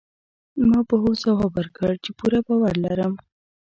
ما په هوځواب ورکړ، چي پوره باور لرم.